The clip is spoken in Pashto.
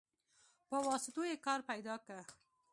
په واسطو يې کار پيدا که.